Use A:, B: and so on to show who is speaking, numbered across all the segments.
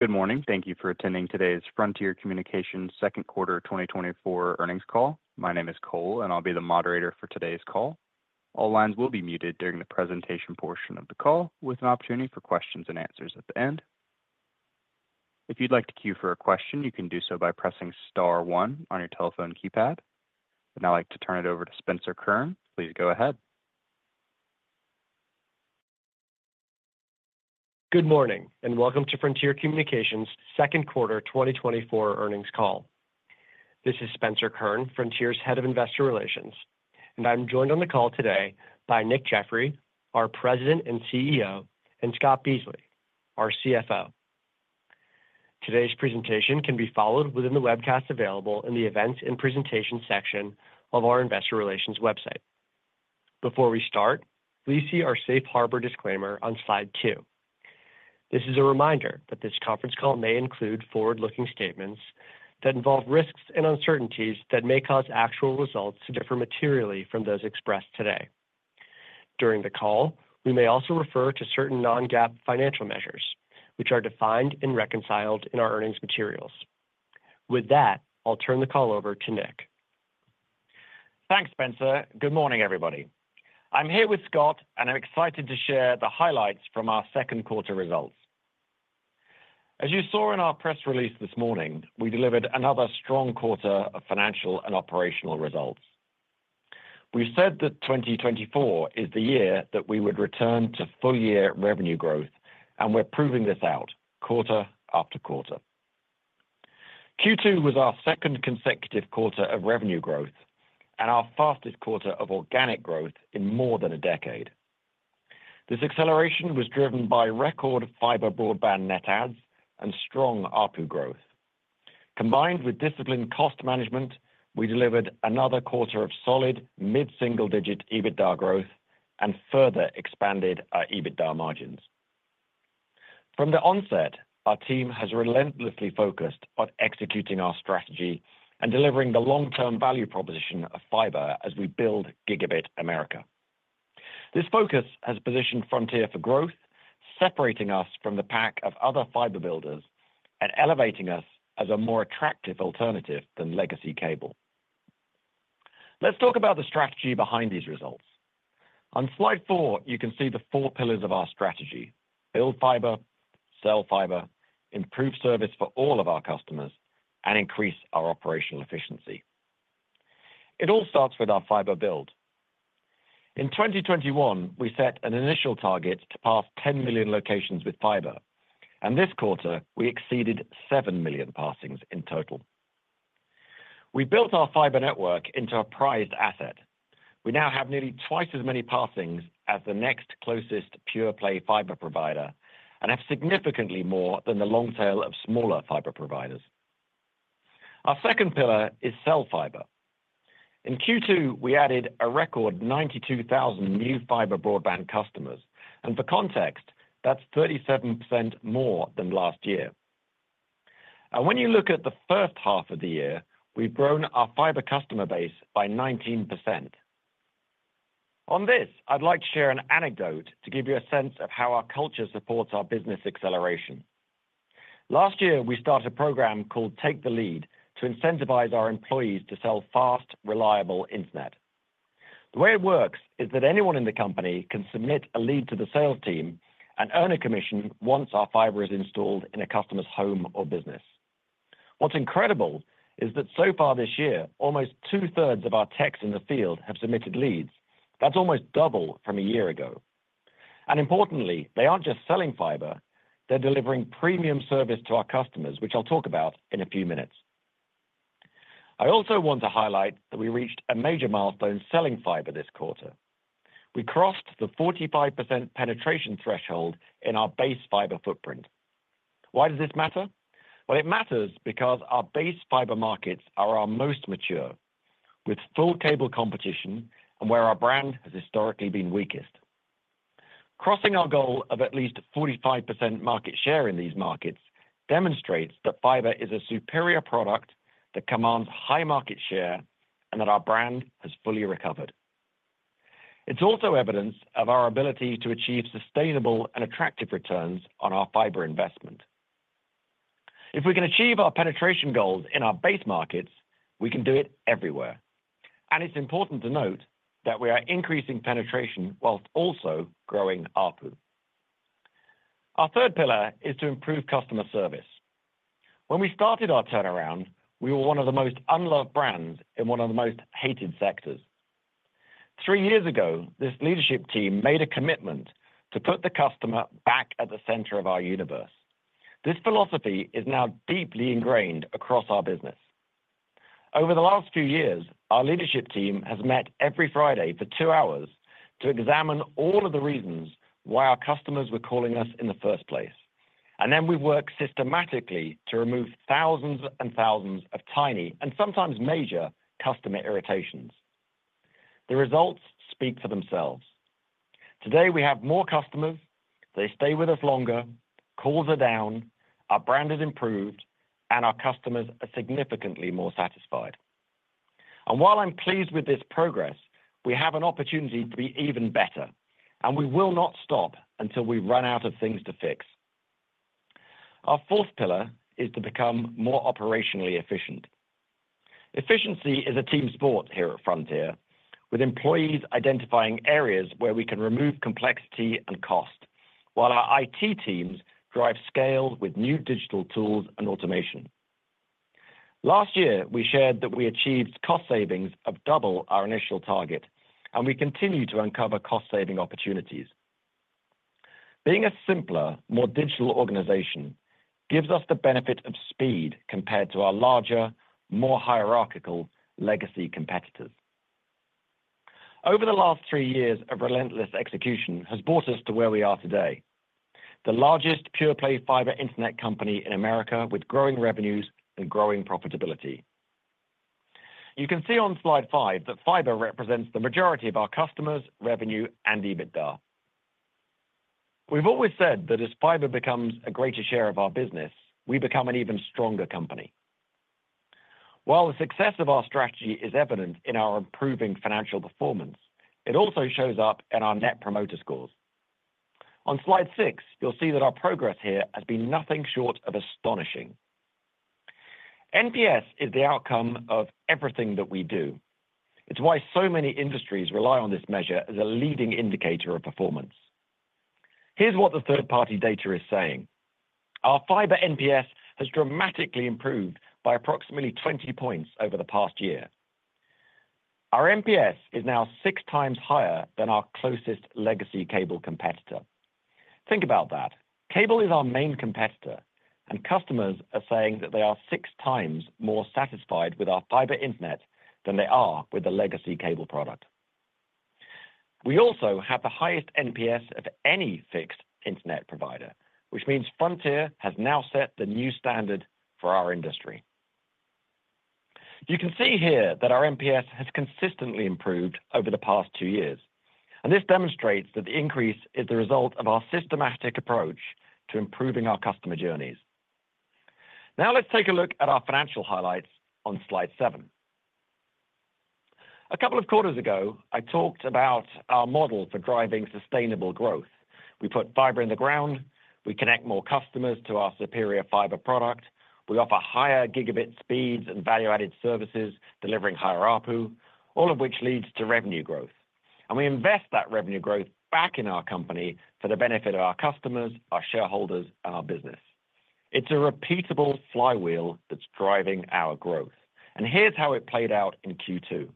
A: Good morning. Thank you for attending today's Frontier Communications second quarter 2024 earnings call. My name is Cole, and I'll be the moderator for today's call. All lines will be muted during the presentation portion of the call, with an opportunity for questions and answers at the end. If you'd like to queue for a question, you can do so by pressing star one on your telephone keypad. I'd like to turn it over to Spencer Kurn. Please go ahead.
B: Good morning, and welcome to Frontier Communications' second quarter 2024 earnings call. This is Spencer Kurn, Frontier's Head of Investor Relations, and I'm joined on the call today by Nick Jeffery, our President and CEO, and Scott Beasley, our CFO. Today's presentation can be followed within the webcast available in the Events and Presentation section of our investor relations website. Before we start, please see our safe harbor disclaimer on slide 2. This is a reminder that this conference call may include forward-looking statements that involve risks and uncertainties that may cause actual results to differ materially from those expressed today. During the call, we may also refer to certain non-GAAP financial measures, which are defined and reconciled in our earnings materials. With that, I'll turn the call over to Nick.
C: Thanks, Spencer. Good morning, everybody. I'm here with Scott, and I'm excited to share the highlights from our second quarter results. As you saw in our press release this morning, we delivered another strong quarter of financial and operational results. We said that 2024 is the year that we would return to full-year revenue growth, and we're proving this out quarter after quarter. Q2 was our second consecutive quarter of revenue growth and our fastest quarter of organic growth in more than a decade. This acceleration was driven by record fiber broadband net adds and strong ARPU growth. Combined with disciplined cost management, we delivered another quarter of solid mid-single-digit EBITDA growth and further expanded our EBITDA margins. From the onset, our team has relentlessly focused on executing our strategy and delivering the long-term value proposition of fiber as we build Gigabit America. This focus has positioned Frontier for growth, separating us from the pack of other fiber builders and elevating us as a more attractive alternative than legacy cable. Let's talk about the strategy behind these results. On slide four, you can see the four pillars of our strategy: build fiber, sell fiber, improve service for all of our customers, and increase our operational efficiency. It all starts with our fiber build. In 2021, we set an initial target to pass 10 million locations with fiber, and this quarter, we exceeded 7 million passings in total. We built our fiber network into a prized asset. We now have nearly twice as many passings as the next closest pure-play fiber provider and have significantly more than the long tail of smaller fiber providers. Our second pillar is sell fiber. In Q2, we added a record 92,000 new fiber broadband customers, and for context, that's 37% more than last year. When you look at the first half of the year, we've grown our fiber customer base by 19%. On this, I'd like to share an anecdote to give you a sense of how our culture supports our business acceleration. Last year, we started a program called Take the Lead to incentivize our employees to sell fast, reliable internet. The way it works is that anyone in the company can submit a lead to the sales team and earn a commission once our fiber is installed in a customer's home or business. What's incredible is that so far this year, almost two-thirds of our techs in the field have submitted leads. That's almost double from a year ago. Importantly, they aren't just selling fiber, they're delivering premium service to our customers, which I'll talk about in a few minutes. I also want to highlight that we reached a major milestone selling fiber this quarter. We crossed the 45% penetration threshold in our base fiber footprint. Why does this matter? Well, it matters because our base fiber markets are our most mature, with full cable competition and where our brand has historically been weakest. Crossing our goal of at least 45% market share in these markets demonstrates that fiber is a superior product that commands high market share and that our brand has fully recovered. It's also evidence of our ability to achieve sustainable and attractive returns on our fiber investment. If we can achieve our penetration goals in our base markets, we can do it everywhere, and it's important to note that we are increasing penetration while also growing ARPU. Our third pillar is to improve customer service. When we started our turnaround, we were one of the most unloved brands in one of the most hated sectors. Three years ago, this leadership team made a commitment to put the customer back at the center of our universe. This philosophy is now deeply ingrained across our business. Over the last few years, our leadership team has met every Friday for two hours to examine all of the reasons why our customers were calling us in the first place, and then we work systematically to remove thousands and thousands of tiny, and sometimes major, customer irritations. The results speak for themselves. Today, we have more customers, they stay with us longer, calls are down, our brand has improved, and our customers are significantly more satisfied.... While I'm pleased with this progress, we have an opportunity to be even better, and we will not stop until we run out of things to fix. Our fourth pillar is to become more operationally efficient. Efficiency is a team sport here at Frontier, with employees identifying areas where we can remove complexity and cost, while our IT teams drive scale with new digital tools and automation. Last year, we shared that we achieved cost savings of double our initial target, and we continue to uncover cost-saving opportunities. Being a simpler, more digital organization gives us the benefit of speed compared to our larger, more hierarchical legacy competitors. Over the last 3 years, a relentless execution has brought us to where we are today, the largest pure-play fiber internet company in America, with growing revenues and growing profitability. You can see on slide 5 that fiber represents the majority of our customers, revenue, and EBITDA. We've always said that as fiber becomes a greater share of our business, we become an even stronger company. While the success of our strategy is evident in our improving financial performance, it also shows up in our net promoter scores. On slide 6, you'll see that our progress here has been nothing short of astonishing. NPS is the outcome of everything that we do. It's why so many industries rely on this measure as a leading indicator of performance. Here's what the third-party data is saying: Our fiber NPS has dramatically improved by approximately 20 points over the past year. Our NPS is now 6 times higher than our closest legacy cable competitor. Think about that. Cable is our main competitor, and customers are saying that they are 6 times more satisfied with our fiber internet than they are with the legacy cable product. We also have the highest NPS of any fixed internet provider, which means Frontier has now set the new standard for our industry. You can see here that our NPS has consistently improved over the past 2 years, and this demonstrates that the increase is the result of our systematic approach to improving our customer journeys. Now, let's take a look at our financial highlights on slide 7. A couple of quarters ago, I talked about our model for driving sustainable growth. We put fiber in the ground, we connect more customers to our superior fiber product, we offer higher gigabit speeds and value-added services, delivering higher ARPU, all of which leads to revenue growth. We invest that revenue growth back in our company for the benefit of our customers, our shareholders, and our business. It's a repeatable flywheel that's driving our growth, and here's how it played out in Q2.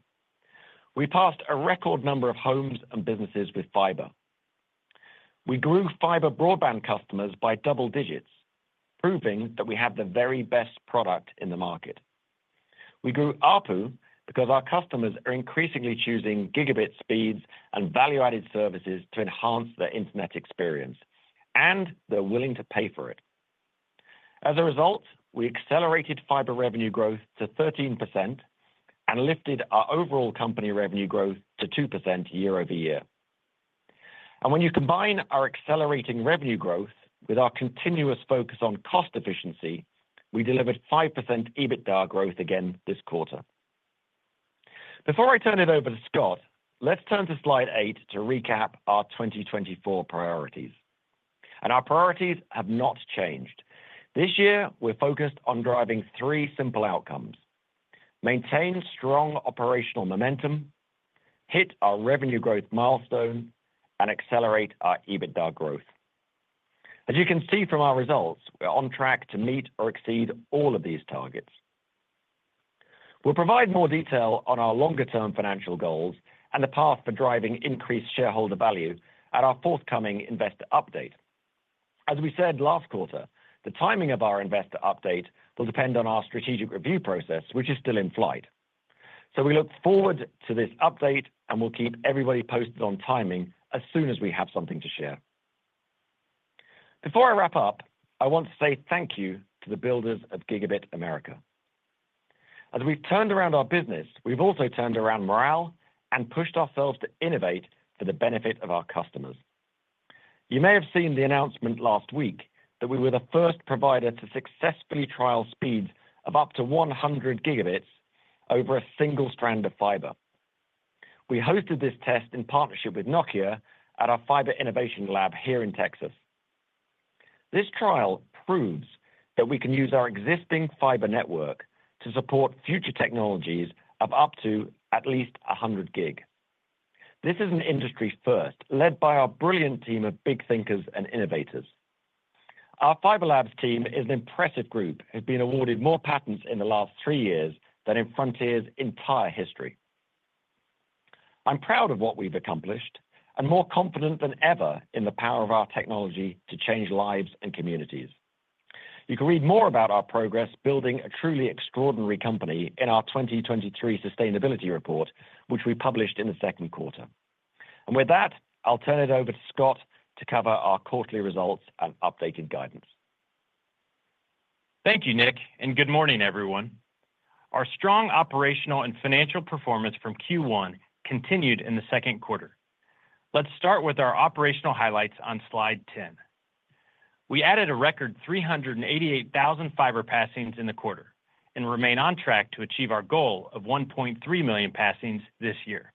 C: We passed a record number of homes and businesses with fiber. We grew fiber broadband customers by double digits, proving that we have the very best product in the market. We grew ARPU because our customers are increasingly choosing gigabit speeds and value-added services to enhance their internet experience, and they're willing to pay for it. As a result, we accelerated fiber revenue growth to 13% and lifted our overall company revenue growth to 2% year-over-year. When you combine our accelerating revenue growth with our continuous focus on cost efficiency, we delivered 5% EBITDA growth again this quarter. Before I turn it over to Scott, let's turn to slide 8 to recap our 2024 priorities. Our priorities have not changed. This year, we're focused on driving three simple outcomes: maintain strong operational momentum, hit our revenue growth milestone, and accelerate our EBITDA growth. As you can see from our results, we're on track to meet or exceed all of these targets. We'll provide more detail on our longer-term financial goals and the path for driving increased shareholder value at our forthcoming investor update. As we said last quarter, the timing of our investor update will depend on our strategic review process, which is still in flight. So we look forward to this update, and we'll keep everybody posted on timing as soon as we have something to share. Before I wrap up, I want to say thank you to the builders of Gigabit America. As we've turned around our business, we've also turned around morale and pushed ourselves to innovate for the benefit of our customers. You may have seen the announcement last week that we were the first provider to successfully trial speeds of up to 100 gigabits over a single strand of fiber. We hosted this test in partnership with Nokia at our Fiber Innovation Lab here in Texas. This trial proves that we can use our existing fiber network to support future technologies of up to at least 100 gig. This is an industry first, led by our brilliant team of big thinkers and innovators. Our Fiber Labs team is an impressive group, who've been awarded more patents in the last three years than in Frontier's entire history. I'm proud of what we've accomplished and more confident than ever in the power of our technology to change lives and communities. You can read more about our progress building a truly extraordinary company in our 2023 sustainability report, which we published in the second quarter. With that, I'll turn it over to Scott to cover our quarterly results and updated guidance.
D: Thank you, Nick, and good morning, everyone. Our strong operational and financial performance from Q1 continued in the second quarter. Let's start with our operational highlights on slide 10. We added a record 388,000 fiber passings in the quarter, and remain on track to achieve our goal of 1.3 million passings this year.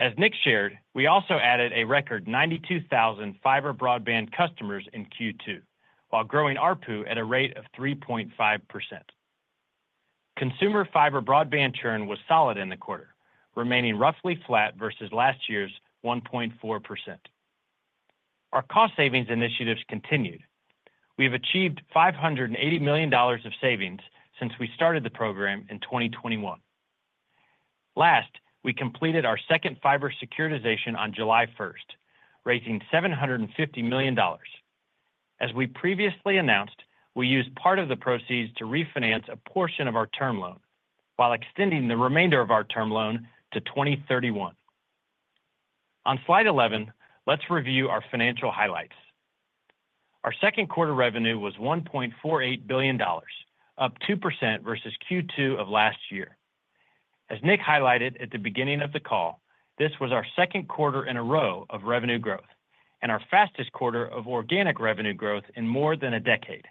D: As Nick shared, we also added a record 92,000 fiber broadband customers in Q2, while growing ARPU at a rate of 3.5%. Consumer fiber broadband churn was solid in the quarter, remaining roughly flat versus last year's 1.4%. Our cost savings initiatives continued. We have achieved $580 million of savings since we started the program in 2021. Last, we completed our second fiber securitization on July 1st, raising $750 million. As we previously announced, we used part of the proceeds to refinance a portion of our term loan, while extending the remainder of our term loan to 2031. On slide 11, let's review our financial highlights. Our second quarter revenue was $1.48 billion, up 2% versus Q2 of last year. As Nick highlighted at the beginning of the call, this was our second quarter in a row of revenue growth and our fastest quarter of organic revenue growth in more than a decade.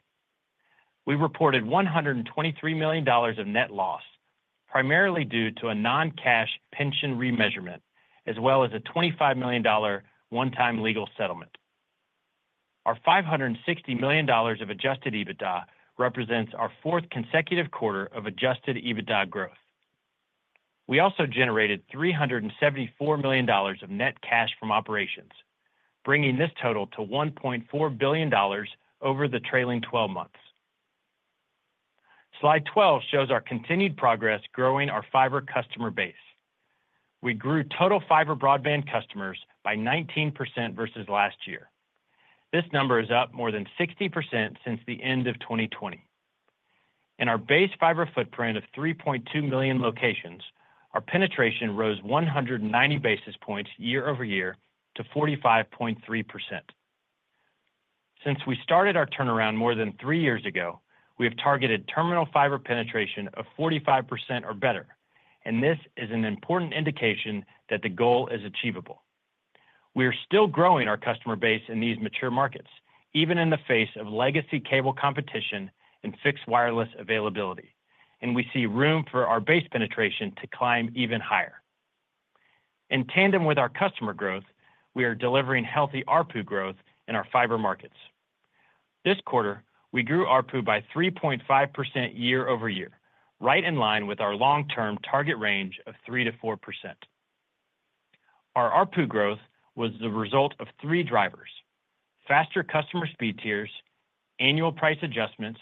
D: We reported $123 million of net loss, primarily due to a non-cash pension remeasurement, as well as a $25 million one-time legal settlement. Our $560 million of adjusted EBITDA represents our fourth consecutive quarter of adjusted EBITDA growth. We also generated $374 million of net cash from operations, bringing this total to $1.4 billion over the trailing twelve months. Slide 12 shows our continued progress growing our fiber customer base. We grew total fiber broadband customers by 19% versus last year. This number is up more than 60% since the end of 2020. In our base fiber footprint of 3.2 million locations, our penetration rose 190 basis points year-over-year to 45.3%. Since we started our turnaround more than 3 years ago, we have targeted terminal fiber penetration of 45% or better, and this is an important indication that the goal is achievable. We are still growing our customer base in these mature markets, even in the face of legacy cable competition and fixed wireless availability, and we see room for our base penetration to climb even higher. In tandem with our customer growth, we are delivering healthy ARPU growth in our fiber markets. This quarter, we grew ARPU by 3.5% year-over-year, right in line with our long-term target range of 3%-4%. Our ARPU growth was the result of three drivers: faster customer speed tiers, annual price adjustments,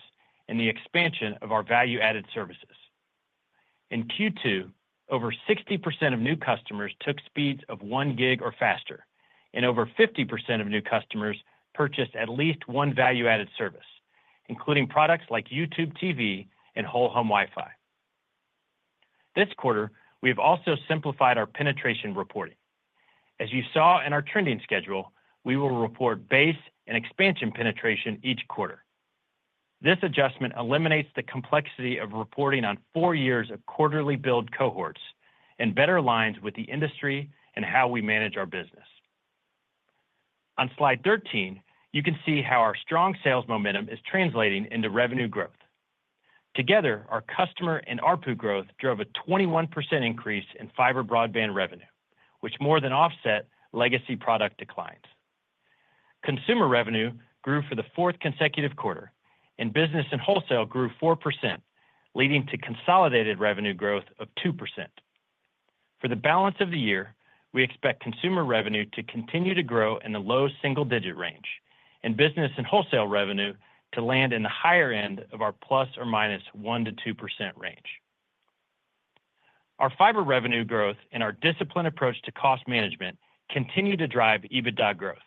D: and the expansion of our value-added services. In Q2, over 60% of new customers took speeds of 1 gig or faster, and over 50% of new customers purchased at least one value-added service, including products like YouTube TV and Whole Home Wi-Fi. This quarter, we have also simplified our penetration reporting. As you saw in our trending schedule, we will report base and expansion penetration each quarter. This adjustment eliminates the complexity of reporting on 4 years of quarterly build cohorts and better aligns with the industry and how we manage our business. On slide 13, you can see how our strong sales momentum is translating into revenue growth. Together, our customer and ARPU growth drove a 21% increase in fiber broadband revenue, which more than offset legacy product declines. Consumer revenue grew for the fourth consecutive quarter, and business and wholesale grew 4%, leading to consolidated revenue growth of 2%. For the balance of the year, we expect consumer revenue to continue to grow in the low single-digit range, and business and wholesale revenue to land in the higher end of our ±1%-2% range. Our fiber revenue growth and our disciplined approach to cost management continue to drive EBITDA growth.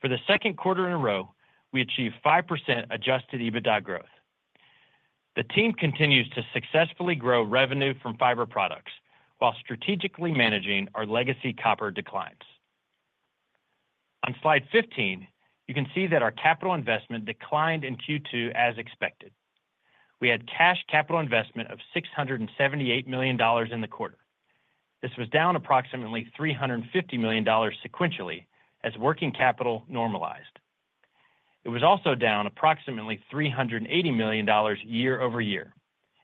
D: For the second quarter in a row, we achieved 5% adjusted EBITDA growth. The team continues to successfully grow revenue from fiber products while strategically managing our legacy copper declines. On slide 15, you can see that our capital investment declined in Q2 as expected. We had cash capital investment of $678 million in the quarter. This was down approximately $350 million sequentially as working capital normalized. It was also down approximately $380 million year-over-year,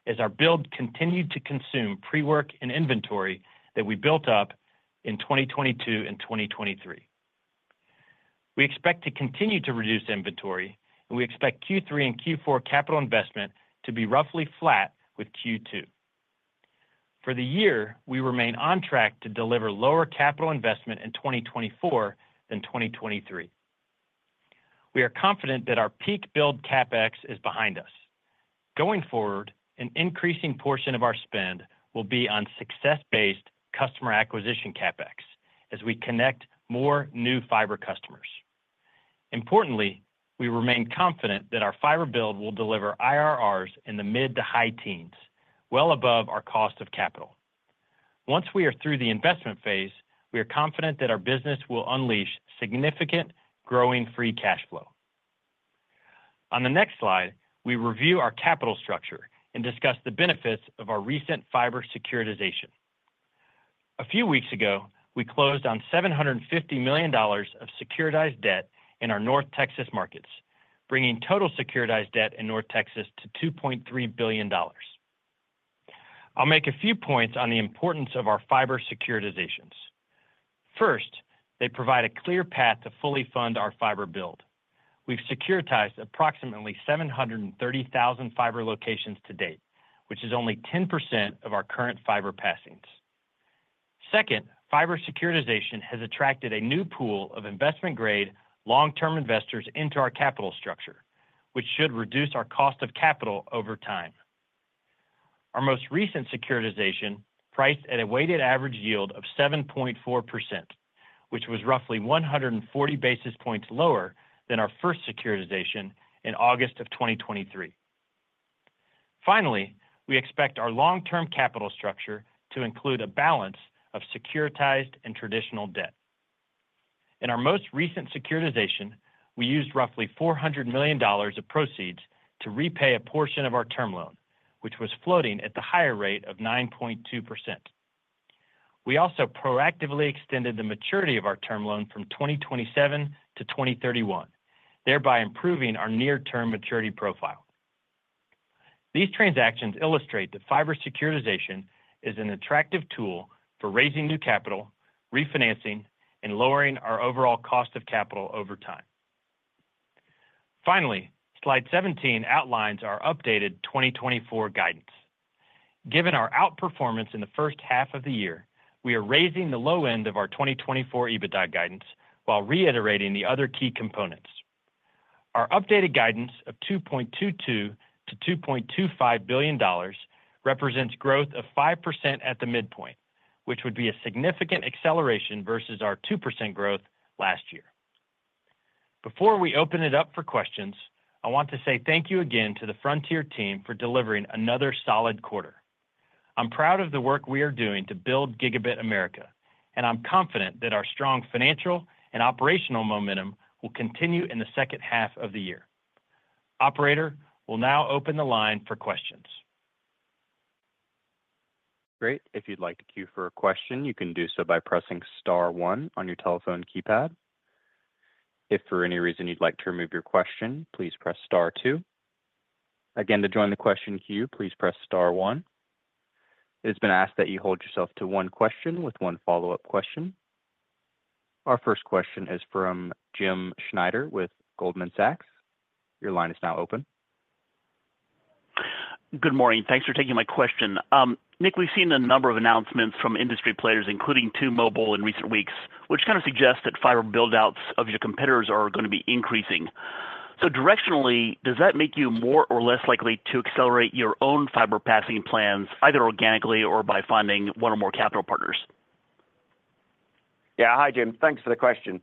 D: as our build continued to consume pre-work and inventory that we built up in 2022 and 2023. We expect to continue to reduce inventory, and we expect Q3 and Q4 capital investment to be roughly flat with Q2. For the year, we remain on track to deliver lower capital investment in 2024 than 2023. We are confident that our peak build CapEx is behind us. Going forward, an increasing portion of our spend will be on success-based customer acquisition CapEx as we connect more new fiber customers. Importantly, we remain confident that our fiber build will deliver IRRs in the mid to high teens, well above our cost of capital. Once we are through the investment phase, we are confident that our business will unleash significant growing free cash flow. On the next slide, we review our capital structure and discuss the benefits of our recent fiber securitization. A few weeks ago, we closed on $750 million of securitized debt in our North Texas markets, bringing total securitized debt in North Texas to $2.3 billion. I'll make a few points on the importance of our fiber securitizations. First, they provide a clear path to fully fund our fiber build. We've securitized approximately 730,000 fiber locations to date, which is only 10% of our current fiber passings. Second, fiber securitization has attracted a new pool of investment-grade, long-term investors into our capital structure, which should reduce our cost of capital over time. Our most recent securitization, priced at a weighted average yield of 7.4%, which was roughly 140 basis points lower than our first securitization in August 2023. Finally, we expect our long-term capital structure to include a balance of securitized and traditional debt. In our most recent securitization, we used roughly $400 million of proceeds to repay a portion of our term loan, which was floating at the higher rate of 9.2%. We also proactively extended the maturity of our term loan from 2027 to 2031, thereby improving our near-term maturity profile. These transactions illustrate that fiber securitization is an attractive tool for raising new capital, refinancing, and lowering our overall cost of capital over time. Finally, slide 17 outlines our updated 2024 guidance. Given our outperformance in the first half of the year, we are raising the low end of our 2024 EBITDA guidance while reiterating the other key components. Our updated guidance of $2.22 billion-$2.25 billion represents growth of 5% at the midpoint, which would be a significant acceleration versus our 2% growth last year. Before we open it up for questions, I want to say thank you again to the Frontier team for delivering another solid quarter. I'm proud of the work we are doing to build Gigabit America, and I'm confident that our strong financial and operational momentum will continue in the second half of the year. Operator, we'll now open the line for questions.
A: Great. If you'd like to queue for a question, you can do so by pressing star one on your telephone keypad. If for any reason you'd like to remove your question, please press star two. Again, to join the question queue, please press star one. It's been asked that you hold yourself to one question with one follow-up question. Our first question is from Jim Schneider with Goldman Sachs. Your line is now open.
E: Good morning. Thanks for taking my question. Nick, we've seen a number of announcements from industry players, including T-Mobile in recent weeks, which kind of suggests that fiber build-outs of your competitors are going to be increasing. So directionally, does that make you more or less likely to accelerate your own fiber passing plans, either organically or by finding one or more capital partners?
C: Yeah. Hi, Jim. Thanks for the question.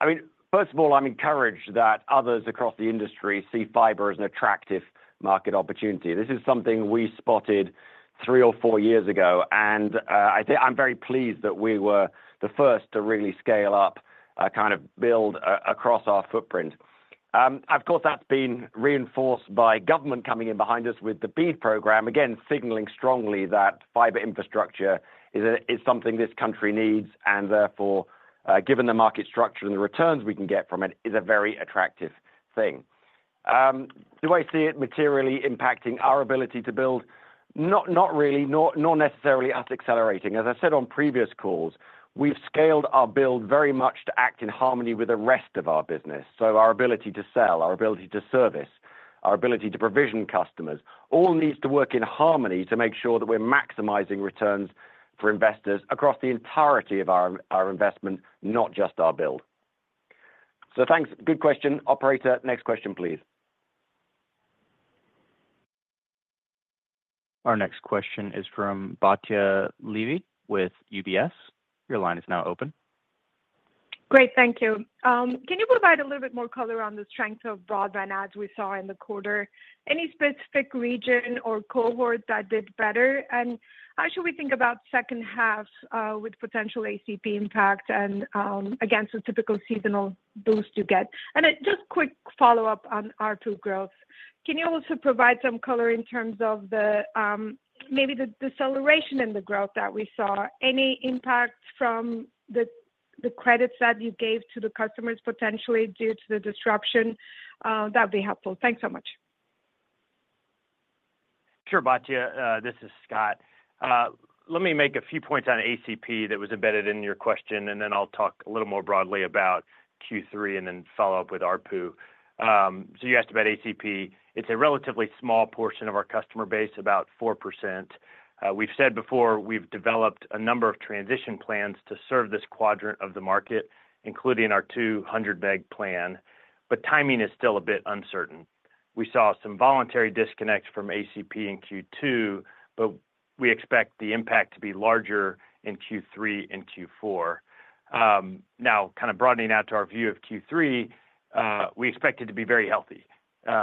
C: I mean, first of all, I'm encouraged that others across the industry see fiber as an attractive market opportunity. This is something we spotted three or four years ago, and I think I'm very pleased that we were the first to really scale up, kind of build across our footprint. Of course, that's been reinforced by government coming in behind us with the BEAD program, again, signaling strongly that fiber infrastructure is something this country needs, and therefore, given the market structure and the returns we can get from it, is a very attractive thing. Do I see it materially impacting our ability to build? Not, not really, not, not necessarily us accelerating. As I said on previous calls, we've scaled our build very much to act in harmony with the rest of our business. So our ability to sell, our ability to service, our ability to provision customers, all needs to work in harmony to make sure that we're maximizing returns for investors across the entirety of our, our investment, not just our build. So thanks. Good question. Operator, next question, please.
A: Our next question is from Batia Levi with UBS. Your line is now open.
F: Great, thank you. Can you provide a little bit more color on the strength of broadband, as we saw in the quarter? Any specific region or cohort that did better? And how should we think about second half, with potential ACP impact and, against the typical seasonal boost you get? And then just quick follow-up on R2 growth. Can you also provide some color in terms of the, maybe the deceleration in the growth that we saw? Any impact from the, the credits that you gave to the customers, potentially due to the disruption? That'd be helpful. Thanks so much.
D: Sure, Batia, this is Scott. Let me make a few points on ACP that was embedded in your question, and then I'll talk a little more broadly about Q3 and then follow up with ARPU. So you asked about ACP. It's a relatively small portion of our customer base, about 4%. We've said before, we've developed a number of transition plans to serve this quadrant of the market, including our 200 meg plan, but timing is still a bit uncertain. We saw some voluntary disconnects from ACP in Q2, but we expect the impact to be larger in Q3 and Q4. Now, kind of broadening out to our view of Q3, we expect it to be very healthy.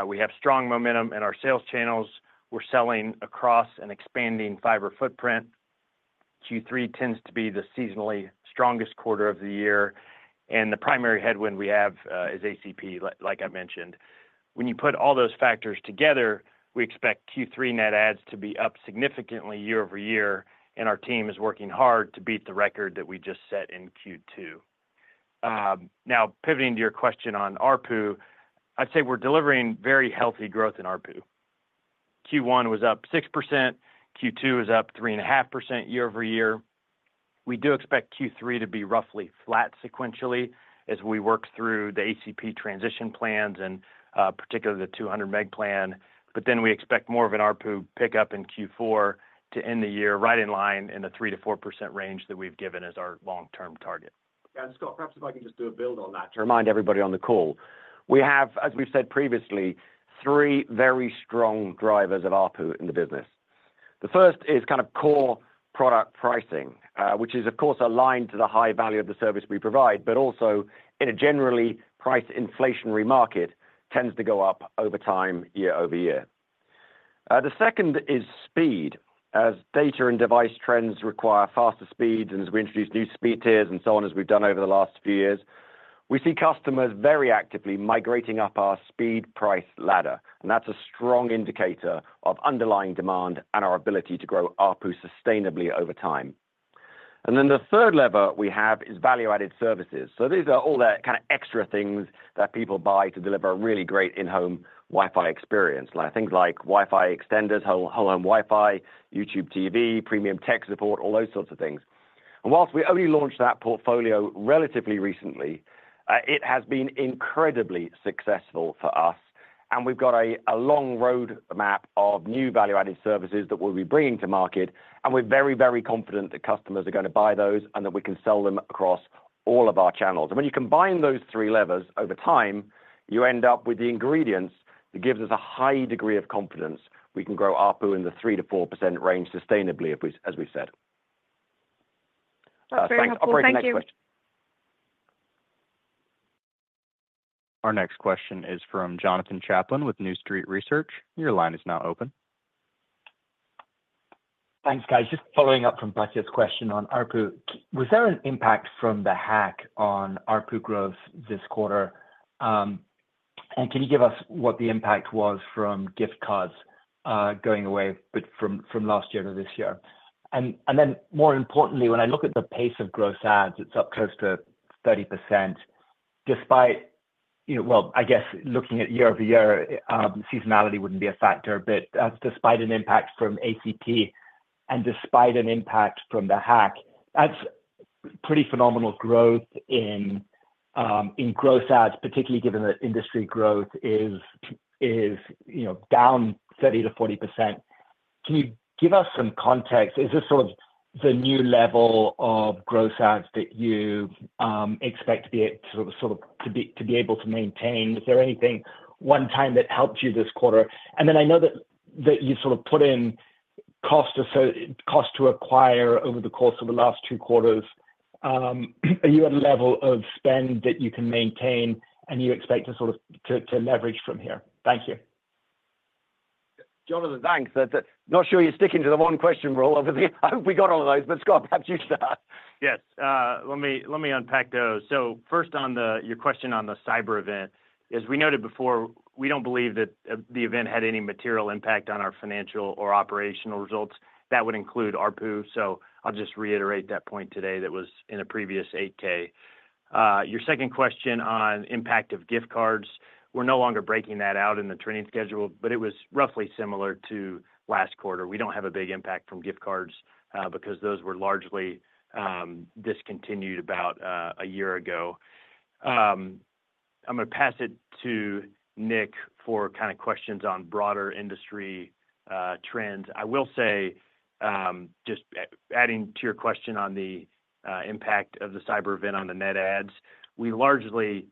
D: We have strong momentum in our sales channels. We're selling across and expanding fiber footprint.... Q3 tends to be the seasonally strongest quarter of the year, and the primary headwind we have is ACP, like I mentioned. When you put all those factors together, we expect Q3 net adds to be up significantly year-over-year, and our team is working hard to beat the record that we just set in Q2. Now, pivoting to your question on ARPU, I'd say we're delivering very healthy growth in ARPU. Q1 was up 6%, Q2 was up 3.5% year-over-year. We do expect Q3 to be roughly flat sequentially as we work through the ACP transition plans and, particularly the 200 meg plan. But then we expect more of an ARPU pickup in Q4 to end the year, right in line in the 3%-4% range that we've given as our long-term target.
C: And Scott, perhaps if I can just do a build on that to remind everybody on the call. We have, as we've said previously, three very strong drivers of ARPU in the business. The first is kind of core product pricing, which is, of course, aligned to the high value of the service we provide, but also in a generally price inflationary market, tends to go up over time, year-over-year. The second is speed. As data and device trends require faster speeds, and as we introduce new speed tiers and so on, as we've done over the last few years, we see customers very actively migrating up our speed price ladder, and that's a strong indicator of underlying demand and our ability to grow ARPU sustainably over time. And then the third lever we have is value-added services. So these are all the kinda extra things that people buy to deliver a really great in-home Wi-Fi experience, like things like Wi-Fi extenders, home, home Wi-Fi, YouTube TV, premium tech support, all those sorts of things. And while we only launched that portfolio relatively recently, it has been incredibly successful for us, and we've got a long road map of new value-added services that we'll be bringing to market, and we're very, very confident that customers are gonna buy those and that we can sell them across all of our channels. And when you combine those three levers over time, you end up with the ingredients that gives us a high degree of confidence we can grow ARPU in the 3%-4% range sustainably, if we—as we've said.
F: That's very helpful.
C: Operator, next question.
F: Thank you.
G: Our next question is from Jonathan Chaplin with New Street Research. Your line is now open.
H: Thanks, guys. Just following up from Batia's question on ARPU, was there an impact from the hack on ARPU growth this quarter? And can you give us what the impact was from gift cards going away, but from last year to this year? And then more importantly, when I look at the pace of gross adds, it's up close to 30%, despite... You know, well, I guess looking at year-over-year, seasonality wouldn't be a factor, but, despite an impact from ACP and despite an impact from the hack, that's pretty phenomenal growth in gross adds, particularly given that industry growth is you know, down 30%-40%. Can you give us some context? Is this sort of the new level of gross adds that you expect to be able to sort of to be able to maintain? Is there anything one time that helped you this quarter? And then I know that you sort of put in cost to acquire over the course of the last two quarters. Are you at a level of spend that you can maintain and you expect to sort of to leverage from here? Thank you.
C: Jonathan, thanks. Not sure you're sticking to the one question rule over there. I hope we got all of those, but, Scott, perhaps you start.
D: Yes, let me unpack those. So first on your question on the cyber event. As we noted before, we don't believe that the event had any material impact on our financial or operational results. That would include ARPU, so I'll just reiterate that point today that was in a previous 8-K. Your second question on impact of gift cards, we're no longer breaking that out in the training schedule, but it was roughly similar to last quarter. We don't have a big impact from gift cards because those were largely discontinued about a year ago. I'm gonna pass it to Nick for kinda questions on broader industry trends. I will say, just adding to your question on the impact of the cyber event on the net adds, we largely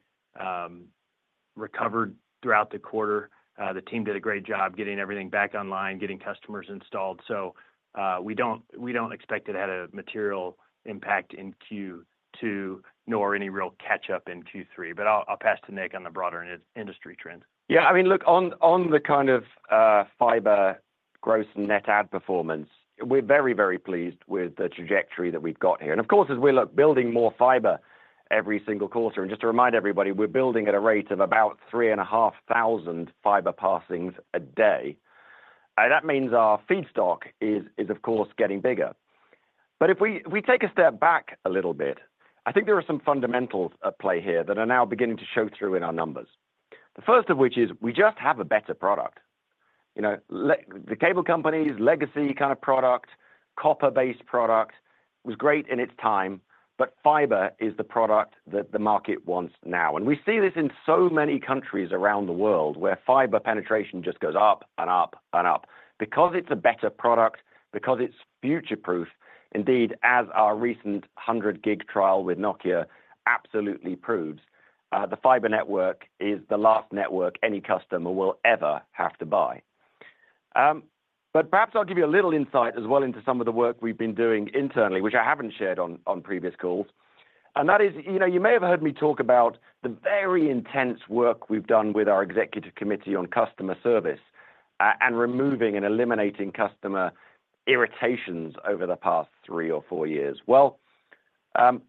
D: recovered throughout the quarter. The team did a great job getting everything back online, getting customers installed. So, we don't expect it had a material impact in Q2, nor any real catch-up in Q3. But I'll pass to Nick on the broader industry trend.
C: Yeah, I mean, look, on the kind of fiber gross net add performance, we're very, very pleased with the trajectory that we've got here. And of course, as we're building more fiber every single quarter, and just to remind everybody, we're building at a rate of about 3,500 fiber passings a day. That means our feedstock is, of course, getting bigger. But if we take a step back a little bit, I think there are some fundamentals at play here that are now beginning to show through in our numbers. The first of which is, we just have a better product. You know, the cable company's legacy kind of product, copper-based product, was great in its time, but fiber is the product that the market wants now. We see this in so many countries around the world, where fiber penetration just goes up and up and up. Because it's a better product, because it's future-proof, indeed, as our recent 100 gig trial with Nokia absolutely proves, the fiber network is the last network any customer will ever have to buy. But perhaps I'll give you a little insight as well into some of the work we've been doing internally, which I haven't shared on previous calls. And that is, you know, you may have heard me talk about the very intense work we've done with our executive committee on customer service, and removing and eliminating customer irritations over the past three or four years. Well,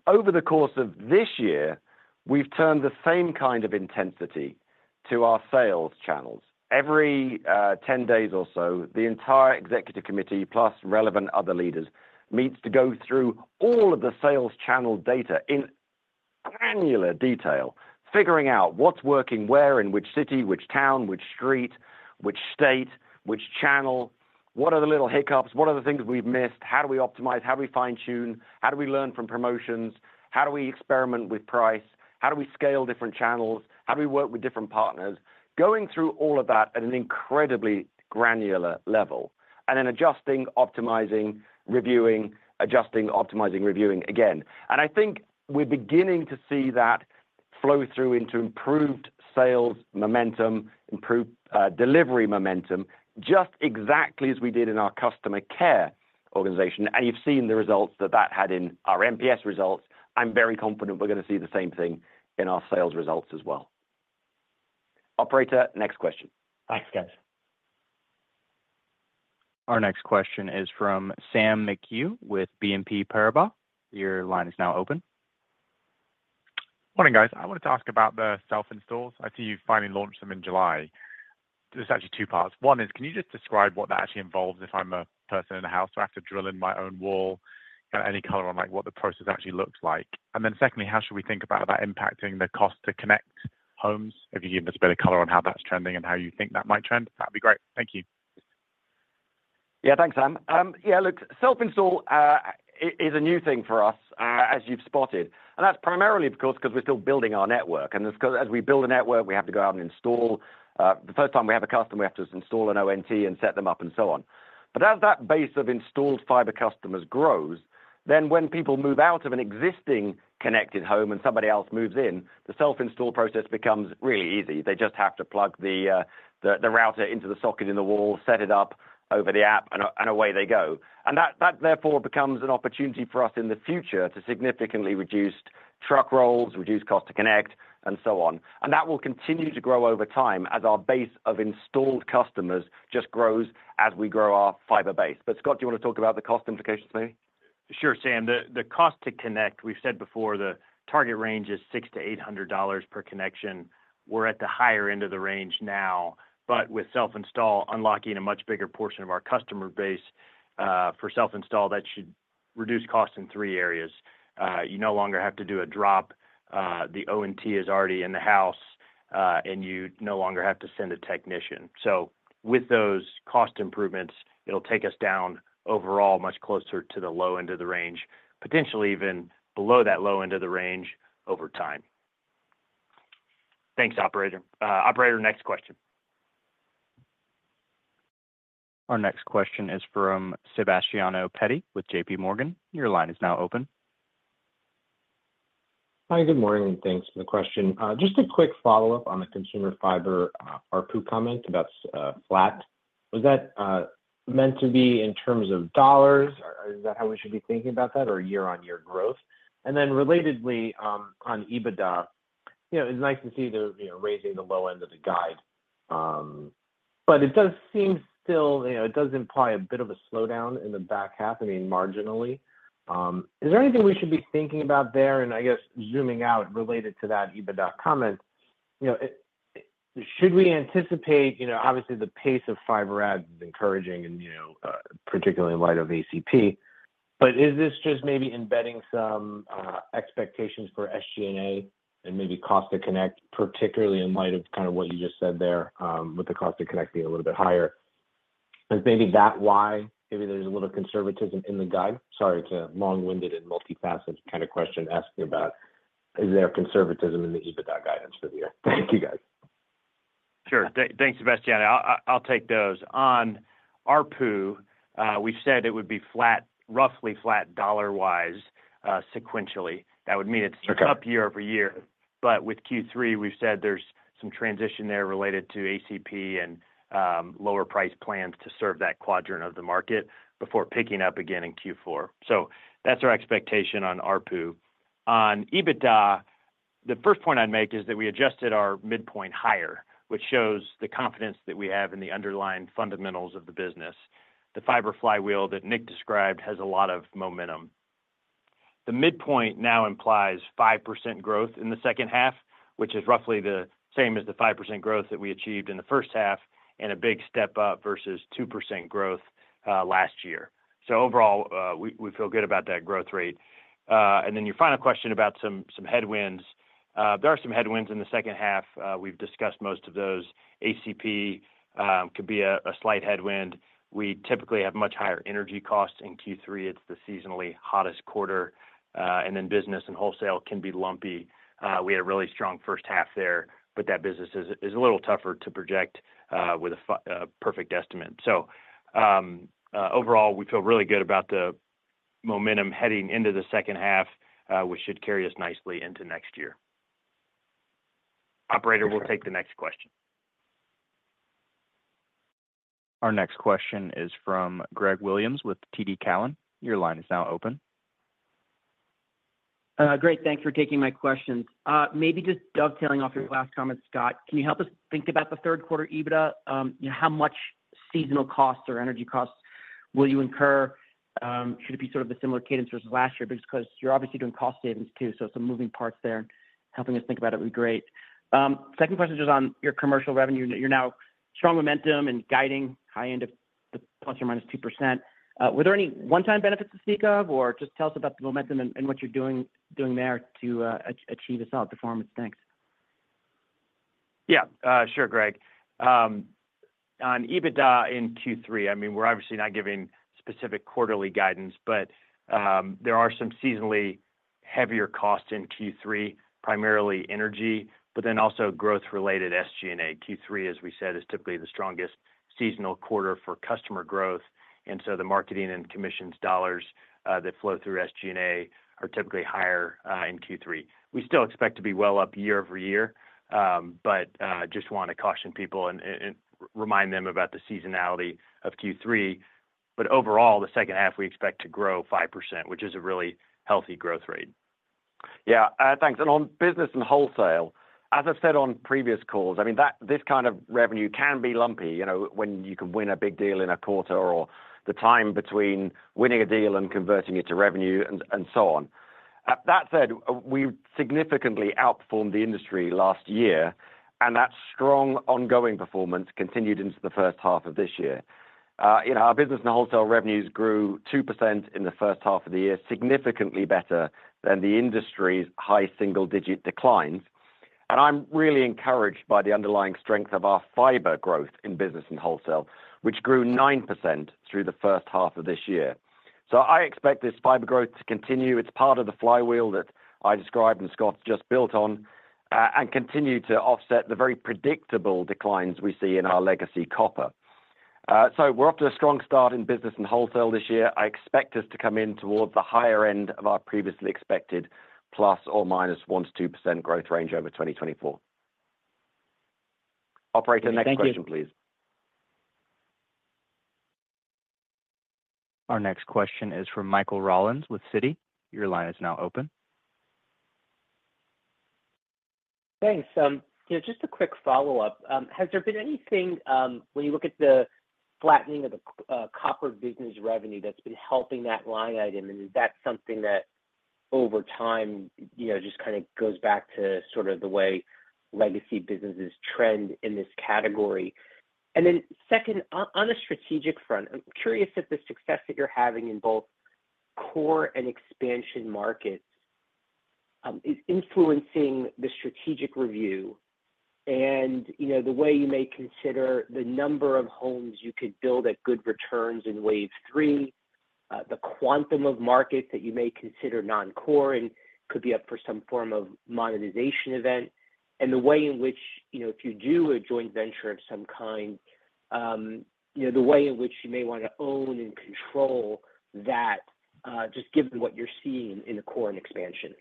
C: over the course of this year, we've turned the same kind of intensity to our sales channels. Every 10 days or so, the entire executive committee, plus relevant other leaders, meets to go through all of the sales channel data in granular detail, figuring out what's working, where, in which city, which town, which street, which state, which channel, what are the little hiccups? What are the things we've missed? How do we optimize? How do we fine-tune? How do we learn from promotions? How do we experiment with price? How do we scale different channels? How do we work with different partners? Going through all of that at an incredibly granular level, and then adjusting, optimizing, reviewing, adjusting, optimizing, reviewing again. I think we're beginning to see that flow through into improved sales momentum, improved delivery momentum, just exactly as we did in our customer care organization. You've seen the results that that had in our NPS results. I'm very confident we're going to see the same thing in our sales results as well. Operator, next question.
H: Thanks, guys.
A: Our next question is from Sam McHugh with BNP Paribas. Your line is now open.
I: Morning, guys. I wanted to ask about the self-installs. I see you finally launched them in July. There's actually two parts. One is, can you just describe what that actually involves if I'm a person in a house, do I have to drill in my own wall? Any color on, like, what the process actually looks like. And then secondly, how should we think about that impacting the cost to connect homes? If you can give us a bit of color on how that's trending and how you think that might trend, that'd be great. Thank you.
C: Yeah, thanks, Sam. Yeah, look, self-install is a new thing for us, as you've spotted, and that's primarily because we're still building our network. And as we build a network, we have to go out and install. The first time we have a customer, we have to install an ONT and set them up and so on. But as that base of installed fiber customers grows, then when people move out of an existing connected home and somebody else moves in, the self-install process becomes really easy. They just have to plug the router into the socket in the wall, set it up over the app, and away they go. And that therefore becomes an opportunity for us in the future to significantly reduce truck rolls, reduce cost to connect, and so on. And that will continue to grow over time as our base of installed customers just grows as we grow our fiber base. But, Scott, do you want to talk about the cost implications maybe?
D: Sure, Sam. The cost to connect, we've said before, the target range is $600-$800 per connection. We're at the higher end of the range now, but with self-install unlocking a much bigger portion of our customer base, for self-install, that should reduce costs in three areas. You no longer have to do a drop, the ONT is already in the house, and you no longer have to send a technician. So with those cost improvements, it'll take us down overall, much closer to the low end of the range, potentially even below that low end of the range over time. Thanks, operator. Operator, next question.
A: Our next question is from Sebastiano Petti with J.P. Morgan. Your line is now open.
J: Hi, good morning, and thanks for the question. Just a quick follow-up on the consumer fiber ARPU comment, that's flat. Was that meant to be in terms of dollars, or is that how we should be thinking about that, or year-on-year growth? And then relatedly, on EBITDA, you know, it's nice to see the, you know, raising the low end of the guide. But it does seem still... you know, it does imply a bit of a slowdown in the back half, I mean, marginally. Is there anything we should be thinking about there? And I guess zooming out related to that EBITDA comment, you know, should we anticipate, you know, obviously, the pace of fiber adds is encouraging and, you know, particularly in light of ACP, but is this just maybe embedding some expectations for SG&A and maybe cost to connect, particularly in light of kind of what you just said there, with the cost to connect being a little bit higher? Is maybe that why maybe there's a little conservatism in the guide? Sorry, it's a long-winded and multifaceted kind of question asking about, is there conservatism in the EBITDA guidance for the year? Thank you, guys.
D: Sure. Thanks, Sebastiano. I'll take those. On ARPU, we said it would be flat, roughly flat, dollar-wise, sequentially.
J: Okay.
D: That would mean it's up year-over-year. But with Q3, we've said there's some transition there related to ACP and lower price plans to serve that quadrant of the market before picking up again in Q4. So that's our expectation on ARPU. On EBITDA, the first point I'd make is that we adjusted our midpoint higher, which shows the confidence that we have in the underlying fundamentals of the business. The fiber flywheel that Nick described has a lot of momentum. The midpoint now implies 5% growth in the second half, which is roughly the same as the 5% growth that we achieved in the first half, and a big step up versus 2% growth last year. So overall, we feel good about that growth rate. And then your final question about some headwinds. There are some headwinds in the second half. We've discussed most of those. ACP could be a slight headwind. We typically have much higher energy costs in Q3. It's the seasonally hottest quarter. And then business and wholesale can be lumpy. We had a really strong first half there, but that business is a little tougher to project with a perfect estimate. Overall, we feel really good about the momentum heading into the second half, which should carry us nicely into next year. Operator, we'll take the next question.
A: Our next question is from Greg Williams with TD Cowen. Your line is now open....
K: Great. Thanks for taking my questions. Maybe just dovetailing off your last comment, Scott, can you help us think about the third quarter EBITDA? You know, how much seasonal costs or energy costs will you incur? Should it be sort of a similar cadence versus last year? Because you're obviously doing cost savings too, so some moving parts there. Helping us think about it would be great. Second question is on your commercial revenue. You're showing strong momentum and guiding high end of the ±2%. Were there any one-time benefits to speak of, or just tell us about the momentum and what you're doing there to achieve a solid performance? Thanks.
D: Yeah, sure, Greg. On EBITDA in Q3, I mean, we're obviously not giving specific quarterly guidance, but there are some seasonally heavier costs in Q3, primarily energy, but then also growth-related SG&A. Q3, as we said, is typically the strongest seasonal quarter for customer growth, and so the marketing and commissions dollars that flow through SG&A are typically higher in Q3. We still expect to be well up year-over-year, but just want to caution people and remind them about the seasonality of Q3. But overall, the second half, we expect to grow 5%, which is a really healthy growth rate.
C: Yeah, thanks. And on business and wholesale, as I've said on previous calls, I mean, that this kind of revenue can be lumpy, you know, when you can win a big deal in a quarter or the time between winning a deal and converting it to revenue and so on. That said, we significantly outperformed the industry last year, and that strong ongoing performance continued into the first half of this year. You know, our business and wholesale revenues grew 2% in the first half of the year, significantly better than the industry's high single-digit declines. And I'm really encouraged by the underlying strength of our fiber growth in business and wholesale, which grew 9% through the first half of this year. So I expect this fiber growth to continue. It's part of the flywheel that I described and Scott just built on, and continue to offset the very predictable declines we see in our legacy copper. So we're off to a strong start in business and wholesale this year. I expect us to come in towards the higher end of our previously expected ±1%-2% growth range over 2024. Operator, next question, please.
K: Thank you.
A: Our next question is from Michael Rollins with Citi. Your line is now open.
L: Thanks. Yeah, just a quick follow-up. Has there been anything when you look at the flattening of the copper business revenue that's been helping that line item, and is that something that over time, you know, just kind of goes back to sort of the way legacy businesses trend in this category? And then second, on a strategic front, I'm curious if the success that you're having in both core and expansion markets is influencing the strategic review? And, you know, the way you may consider the number of homes you could build at good returns in wave three, the quantum of markets that you may consider non-core and could be up for some form of monetization event, and the way in which, you know, if you do a joint venture of some kind, you know, the way in which you may want to own and control that, just given what you're seeing in the core and expansion.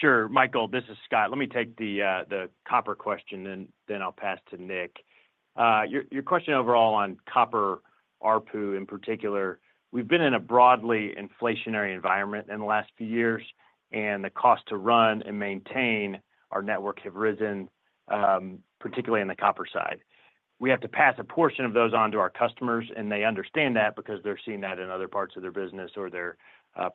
D: Sure. Michael, this is Scott. Let me take the copper question, and then I'll pass to Nick. Your question overall on copper ARPU in particular, we've been in a broadly inflationary environment in the last few years, and the cost to run and maintain our networks have risen, particularly in the copper side. We have to pass a portion of those on to our customers, and they understand that because they're seeing that in other parts of their business or their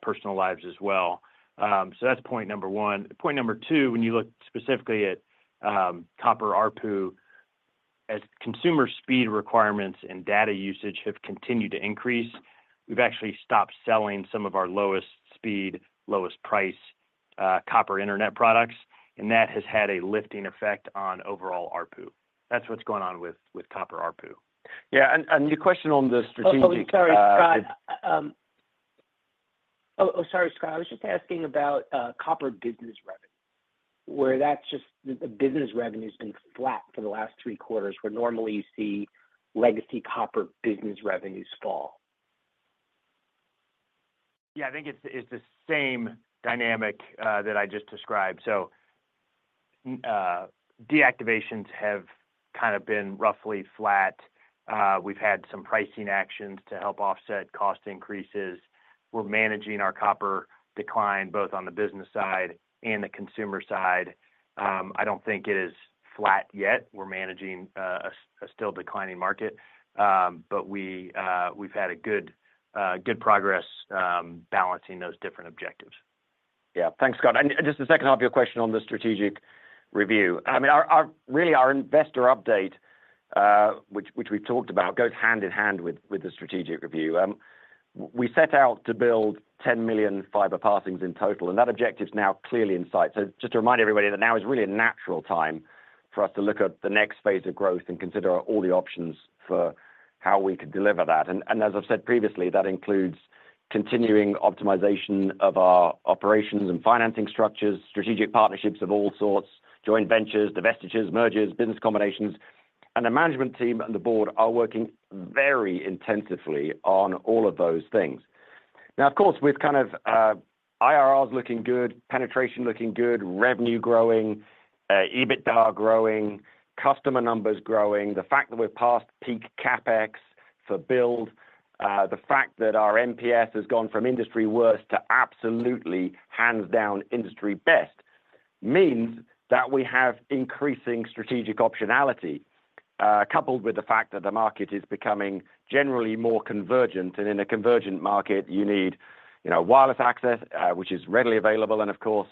D: personal lives as well. So that's point number one. Point number two, when you look specifically at copper ARPU, as consumer speed requirements and data usage have continued to increase, we've actually stopped selling some of our lowest speed, lowest price copper internet products, and that has had a lifting effect on overall ARPU. That's what's going on with, with copper ARPU.
C: Yeah, and your question on the strategic-
L: Oh, sorry, Scott. I was just asking about copper business revenue, where that's just the business revenue's been flat for the last three quarters, where normally you see legacy copper business revenues fall.
M: Yeah, I think it's the, it's the same dynamic that I just described. So, deactivations have kind of been roughly flat. We've had some pricing actions to help offset cost increases. We're managing our copper decline, both on the business side and the consumer side. I don't think it is flat yet. We're managing a still declining market. But we, we've had good progress balancing those different objectives.
C: Yeah. Thanks, Scott. And just the second half of your question on the strategic review. I mean, really, our investor update, which we've talked about, goes hand in hand with the strategic review. We set out to build 10 million fiber passings in total, and that objective is now clearly in sight. So just to remind everybody that now is really a natural time for us to look at the next phase of growth and consider all the options for how we could deliver that. And as I've said previously, that includes continuing optimization of our operations and financing structures, strategic partnerships of all sorts, joint ventures, divestitures, mergers, business combinations, and the management team and the board are working very intensively on all of those things. Now, of course, we've kind of... IRRs looking good, penetration looking good, revenue growing, EBITDA growing, customer numbers growing. The fact that we're past peak CapEx for build, the fact that our NPS has gone from industry worst to absolutely hands down industry best, means that we have increasing strategic optionality, coupled with the fact that the market is becoming generally more convergent. And in a convergent market, you need, you know, wireless access, which is readily available, and of course,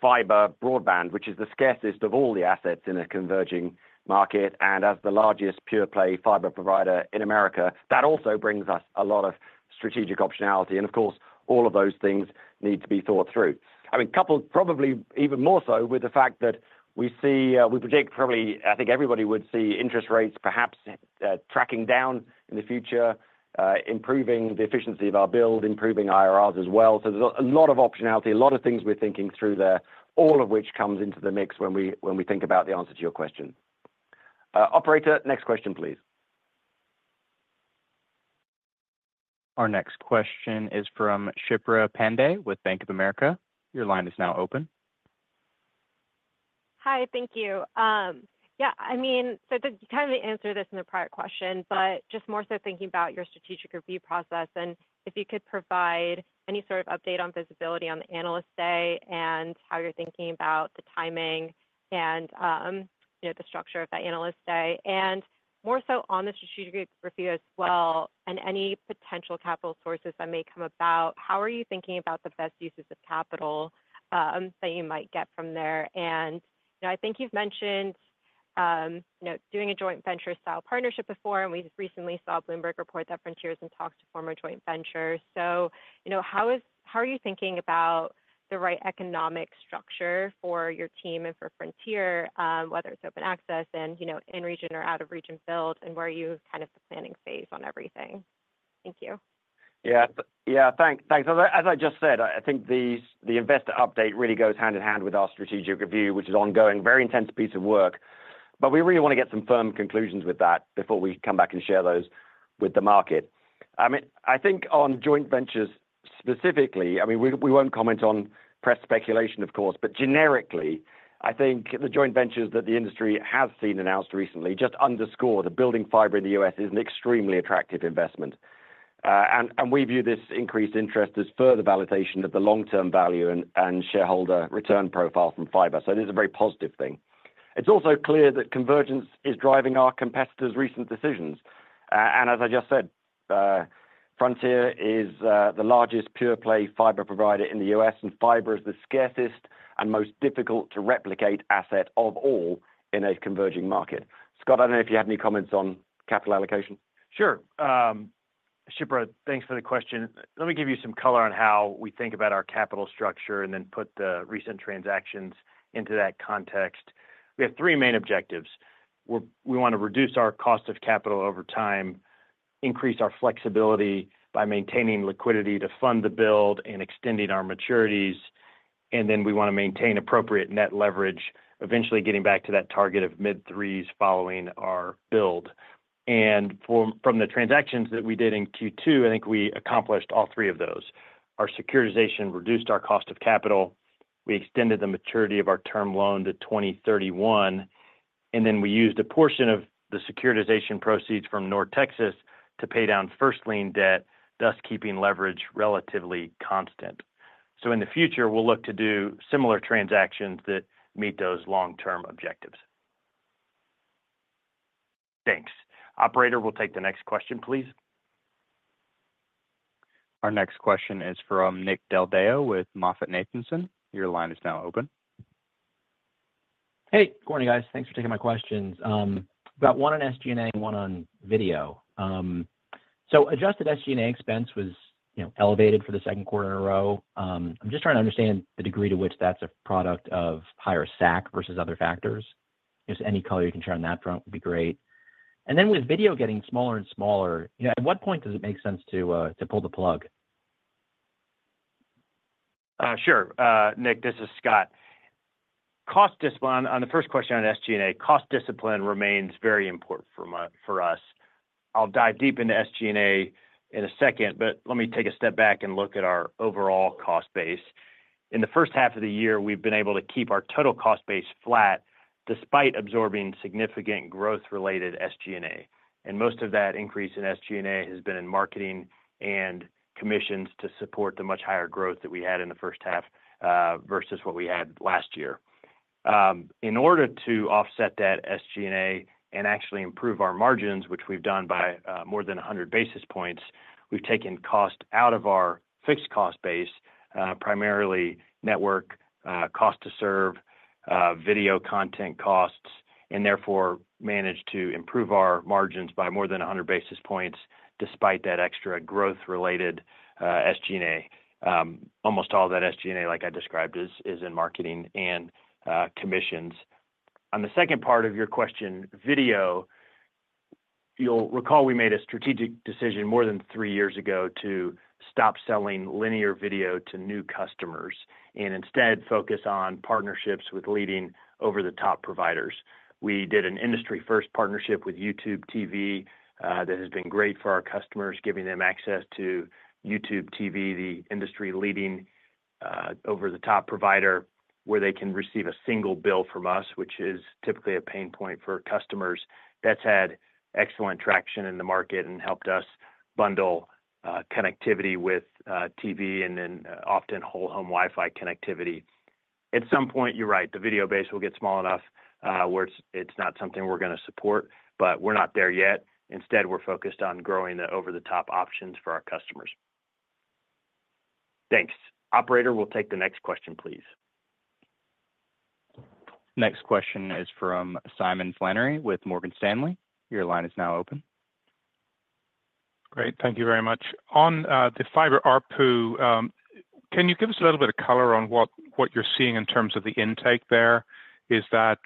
C: fiber broadband, which is the scarcest of all the assets in a converging market. And as the largest pure play fiber provider in America, that also brings us a lot of strategic optionality. And of course, all of those things need to be thought through. I mean, coupled, probably even more so with the fact that we see, we predict probably, I think everybody would see interest rates perhaps, tracking down in the future, improving the efficiency of our build, improving IRRs as well. So there's a lot of optionality, a lot of things we're thinking through there, all of which comes into the mix when we, when we think about the answer to your question. Operator, next question, please.
A: Our next question is from Shipra Pandey with Bank of America. Your line is now open.
N: Hi, thank you. Yeah, I mean, so you kind of answered this in the prior question, but just more so thinking about your strategic review process, and if you could provide any sort of update on visibility on the Analyst Day, and how you're thinking about the timing and, you know, the structure of that Analyst Day. And more so on the strategic review as well, and any potential capital sources that may come about, how are you thinking about the best uses of capital that you might get from there? And, you know, I think you've mentioned, you know, doing a joint venture-style partnership before, and we recently saw Bloomberg report that Frontier is in talks to form a joint venture. So, you know, how are you thinking about the right economic structure for your team and for Frontier, whether it's open access and, you know, in-region or out-of-region build, and where are you kind of the planning phase on everything? Thank you.
C: Yeah. Yeah, thanks. Thanks. As I, as I just said, I think the, the investor update really goes hand-in-hand with our strategic review, which is ongoing. Very intense piece of work, but we really want to get some firm conclusions with that before we come back and share those with the market. I mean, I think on joint ventures, specifically, I mean, we, we won't comment on press speculation, of course, but generically, I think the joint ventures that the industry has seen announced recently, just underscore that building fiber in the U.S. is an extremely attractive investment. And, and we view this increased interest as further validation of the long-term value and, and shareholder return profile from fiber. So it is a very positive thing. It's also clear that convergence is driving our competitors' recent decisions. As I just said, Frontier is the largest pure play fiber provider in the U.S., and fiber is the scarcest and most difficult to replicate asset of all in a converging market. Scott, I don't know if you have any comments on capital allocation.
M: Sure. Shipra, thanks for the question. Let me give you some color on how we think about our capital structure, and then put the recent transactions into that context. We have three main objectives. We want to reduce our cost of capital over time, increase our flexibility by maintaining liquidity to fund the build, and extending our maturities, and then we want to maintain appropriate net leverage, eventually getting back to that target of mid-threes following our build. And from the transactions that we did in Q2, I think we accomplished all three of those. Our securitization reduced our cost of capital. We extended the maturity of our term loan to 2031, and then we used a portion of the securitization proceeds from North Texas to pay down first lien debt, thus keeping leverage relatively constant. So in the future, we'll look to do similar transactions that meet those long-term objectives. Thanks. Operator, we'll take the next question, please.
A: Our next question is from Nick Del Deo with MoffettNathanson. Your line is now open.
O: Hey, good morning, guys. Thanks for taking my questions. Got one on SG&A and one on video. So adjusted SG&A expense was, you know, elevated for the second quarter in a row. I'm just trying to understand the degree to which that's a product of higher SAC versus other factors. Just any color you can share on that front would be great. And then with video getting smaller and smaller, you know, at what point does it make sense to, to pull the plug?
M: Sure, Nick, this is Scott. Cost discipline. On the first question on SG&A, cost discipline remains very important for my—for us. I'll dive deep into SG&A in a second, but let me take a step back and look at our overall cost base. In the first half of the year, we've been able to keep our total cost base flat, despite absorbing significant growth-related SG&A, and most of that increase in SG&A has been in marketing and commissions to support the much higher growth that we had in the first half versus what we had last year. In order to offset that SG&A and actually improve our margins, which we've done by more than 100 basis points, we've taken cost out of our fixed cost base, primarily network cost to serve, video content costs, and therefore, managed to improve our margins by more than 100 basis points, despite that extra growth-related SG&A. Almost all that SG&A, like I described, is, is in marketing and commissions. On the second part of your question, video, you'll recall we made a strategic decision more than three years ago, to stop selling linear video to new customers and instead, focus on partnerships with leading over-the-top providers. We did an industry-first partnership with YouTube TV, that has been great for our customers, giving them access to YouTube TV, the industry-leading, over-the-top provider, where they can receive a single bill from us, which is typically a pain point for customers. That's had excellent traction in the market and helped us bundle, connectivity with, TV and then often whole-home Wi-Fi connectivity. At some point, you're right, the video base will get small enough, where it's, it's not something we're gonna support, but we're not there yet. Instead, we're focused on growing the over-the-top options for our customers. Thanks. Operator, we'll take the next question, please.
A: Next question is from Simon Flannery with Morgan Stanley. Your line is now open.
P: Great. Thank you very much. On the fiber ARPU, can you give us a little bit of color on what you're seeing in terms of the intake there? Is that,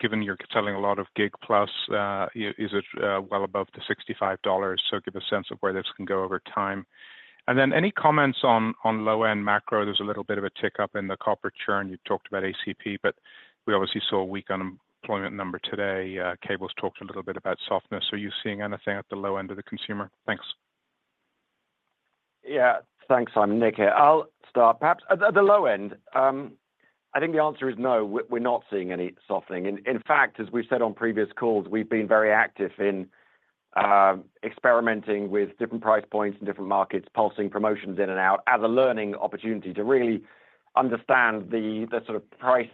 P: given you're selling a lot of gig plus, is it well above the $65? So give a sense of where this can go over time. And then any comments on low-end macro? There's a little bit of a tick-up in the copper churn. You talked about ACP, but we obviously saw a weak unemployment number today. Cable's talked a little bit about softness. Are you seeing anything at the low end of the consumer? Thanks.
C: Yeah. Thanks, Simon. Nick here. I'll start. Perhaps at the low end, I think the answer is no, we're not seeing any softening. In fact, as we've said on previous calls, we've been very active in experimenting with different price points in different markets, pulsing promotions in and out as a learning opportunity to really understand the sort of price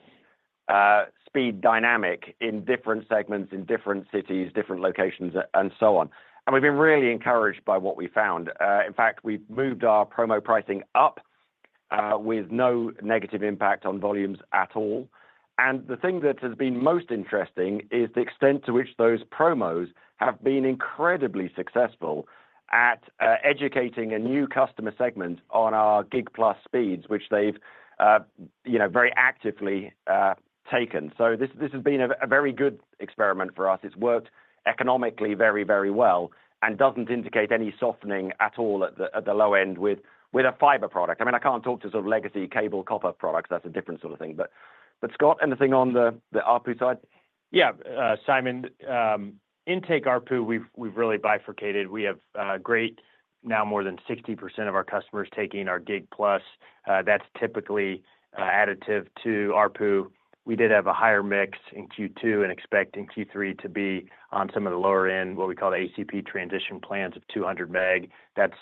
C: speed dynamic in different segments, in different cities, different locations, and so on. And we've been really encouraged by what we found. In fact, we've moved our promo pricing up with no negative impact on volumes at all. And the thing that has been most interesting is the extent to which those promos have been incredibly successful at educating a new customer segment on our gig plus speeds, which they've you know very actively taken. So this has been a very good experiment for us. It's worked economically very well and doesn't indicate any softening at all at the low end with a fiber product. I mean, I can't talk to sort of legacy cable copper products. That's a different sort of thing. But, Scott, anything on the ARPU side?
M: Yeah, Simon, in terms of ARPU, we've really bifurcated. We have now more than 60% of our customers taking our gig plus. That's typically additive to ARPU. We did have a higher mix in Q2 and expect in Q3 to be on some of the lower end, what we call the ACP transition plans of 200 meg. That's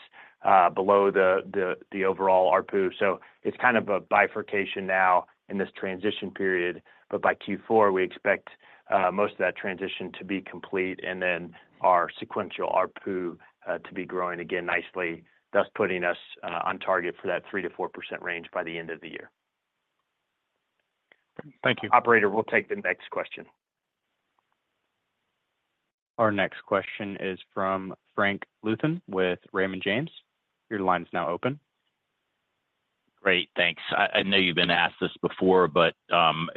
M: below the overall ARPU. So it's kind of a bifurcation now in this transition period, but by Q4, we expect most of that transition to be complete, and then our sequential ARPU to be growing again nicely, thus putting us on target for that 3%-4% range by the end of the year.
P: Thank you.
M: Operator, we'll take the next question.
G: Our next question is from Frank Louthan with Raymond James. Your line is now open.
Q: Great, thanks. I know you've been asked this before, but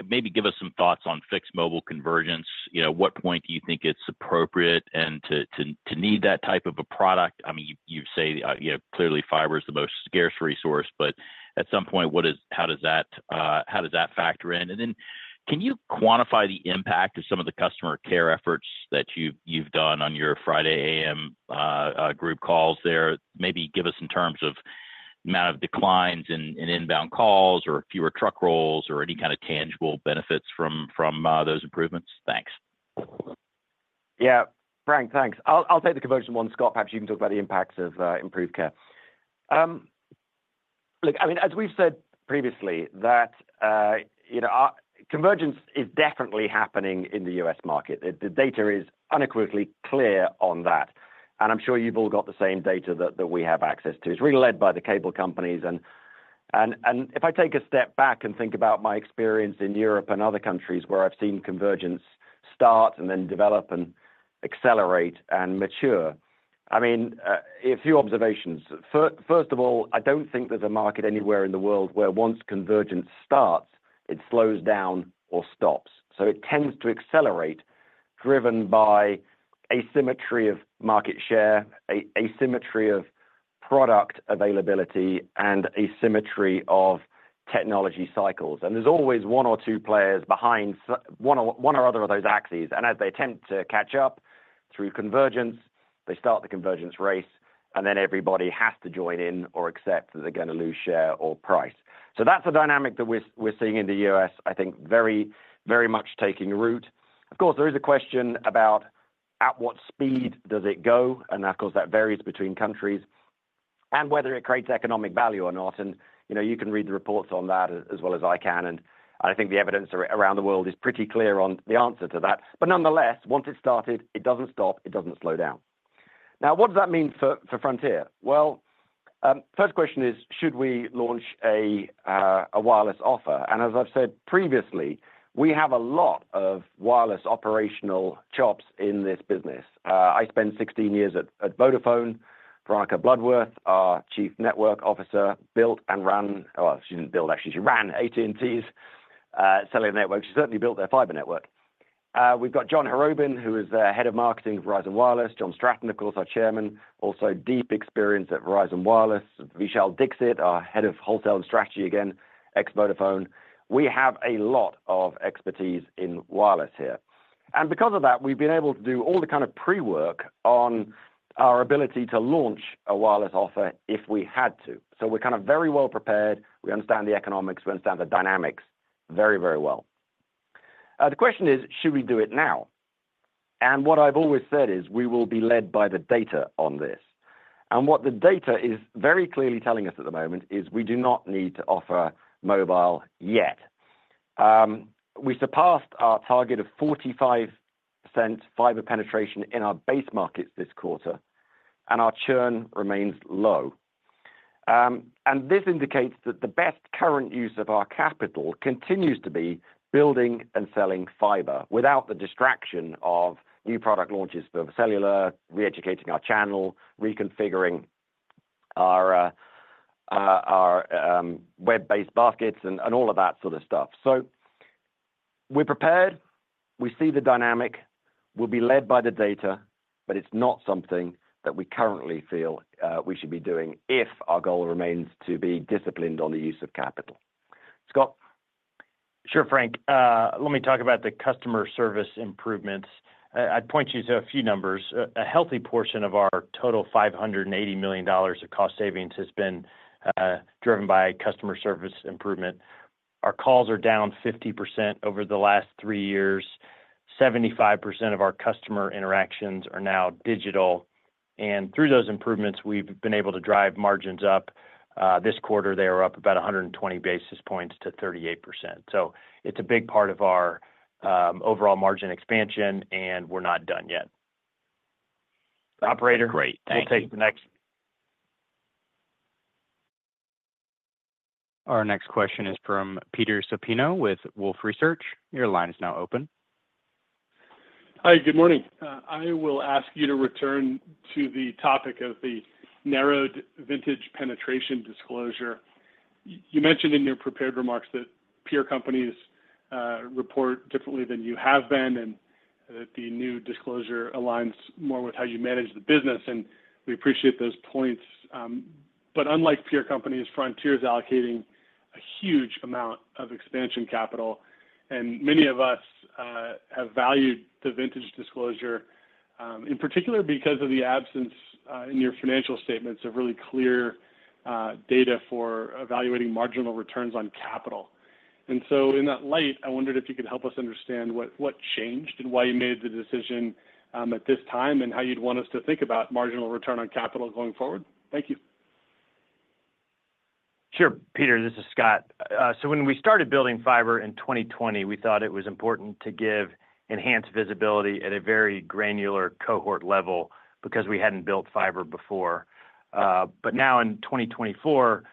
Q: maybe give us some thoughts on fixed mobile convergence. You know, what point do you think it's appropriate and to need that type of a product? I mean, you say, you know, clearly fiber is the most scarce resource, but at some point, what is, how does that factor in? And then can you quantify the impact of some of the customer care efforts that you've done on your Friday AM group calls there? Maybe give us in terms of amount of declines in inbound calls, or fewer truck rolls, or any kind of tangible benefits from those improvements. Thanks.
C: Yeah. Frank, thanks. I'll, I'll take the conversion one. Scott, perhaps you can talk about the impacts of improved care. Look, I mean, as we've said previously, that you know, our convergence is definitely happening in the U.S. market. The data is unequivocally clear on that, and I'm sure you've all got the same data that we have access to. It's really led by the cable companies, and if I take a step back and think about my experience in Europe and other countries where I've seen convergence start and then develop and accelerate and mature, I mean, a few observations. First of all, I don't think there's a market anywhere in the world where once convergence starts, it slows down or stops. So it tends to accelerate, driven by asymmetry of market share, asymmetry of product availability, and asymmetry of technology cycles. And there's always one or two players behind one or other of those axes, and as they attempt to catch up through convergence, they start the convergence race, and then everybody has to join in or accept that they're gonna lose share or price. So that's a dynamic that we're seeing in the U.S., I think very, very much taking root. Of course, there is a question about at what speed does it go, and of course, that varies between countries, and whether it creates economic value or not. And, you know, you can read the reports on that as well as I can, and I think the evidence around the world is pretty clear on the answer to that. But nonetheless, once it's started, it doesn't stop, it doesn't slow down. Now, what does that mean for Frontier? Well, first question is, should we launch a wireless offer? And as I've said previously, we have a lot of wireless operational chops in this business. I spent 16 years at Vodafone. Veronica Bloodworth, our Chief Network Officer, built and ran... Oh, she didn't build, actually, she ran AT&T's cellular network. She certainly built their fiber network. We've got John Harrobin, who is the Head of Marketing, Verizon Wireless. John Stratton, of course, our chairman, also deep experience at Verizon Wireless. Vishal Dixit, our Head of Wholesale and Strategy, again, ex-Vodafone. We have a lot of expertise in wireless here, and because of that, we've been able to do all the kind of pre-work on our ability to launch a wireless offer if we had to. So we're kind of very well prepared. We understand the economics, we understand the dynamics very, very well. The question is, should we do it now? And what I've always said is we will be led by the data on this. And what the data is very clearly telling us at the moment is we do not need to offer mobile yet. We surpassed our target of 45% fiber penetration in our base markets this quarter, and our churn remains low. And this indicates that the best current use of our capital continues to be building and selling fiber without the distraction of new product launches for cellular, re-educating our channel, reconfiguring our web-based baskets and all of that sort of stuff. So we're prepared. We see the dynamic. We'll be led by the data, but it's not something that we currently feel we should be doing if our goal remains to be disciplined on the use of capital. Scott?
D: Sure, Frank. Let me talk about the customer service improvements. I'd point you to a few numbers. A, a healthy portion of our total $500 million of cost savings has been driven by customer service improvement. Our calls are down 50% over the last three years. 75% of our customer interactions are now digital, and through those improvements, we've been able to drive margins up. This quarter, they were up about 120 basis points to 38%. So it's a big part of our overall margin expansion, and we're not done yet. Operator-
Q: Great. Thank you.
D: We'll take the next.
G: Our next question is from Peter Supino with Wolfe Research. Your line is now open.
R: Hi, good morning. I will ask you to return to the topic of the narrowed vintage penetration disclosure. You mentioned in your prepared remarks that peer companies report differently than you have been, and that the new disclosure aligns more with how you manage the business, and we appreciate those points. But unlike peer companies, Frontier is allocating a huge amount of expansion capital, and many of us have valued the vintage disclosure in particular, because of the absence in your financial statements of really clear data for evaluating marginal returns on capital. So in that light, I wondered if you could help us understand what changed and why you made the decision at this time, and how you'd want us to think about marginal return on capital going forward. Thank you.
M: Sure, Peter, this is Scott. So when we started building fiber in 2020, we thought it was important to give enhanced visibility at a very granular cohort level because we hadn't built fiber before. But now in 2024,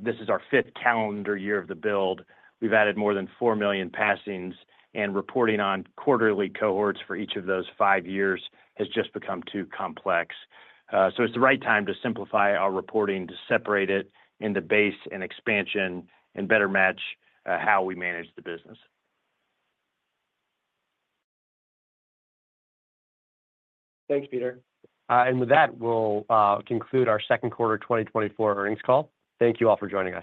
M: this is our fifth calendar year of the build. We've added more than 4 million passings, and reporting on quarterly cohorts for each of those five years has just become too complex. So it's the right time to simplify our reporting, to separate it into base and expansion, and better match how we manage the business.
C: Thanks, Peter.
A: With that, we'll conclude our second quarter 2024 earnings call. Thank you all for joining us.